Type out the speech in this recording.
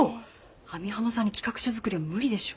網浜さんに企画書作りは無理でしょ！